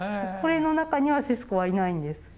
これの中にはシスコはいないんです。